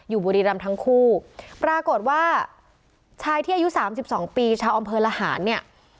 อยู่บุรีรัมทั้งคู่ปรากฏว่าชายที่อายุ๓๒ปีชาวอำเภอระหารเนี่ย